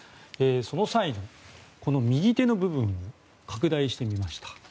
その際に、この右手の部分拡大してみました。